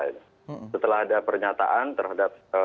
setelah ada pernyataan terhadap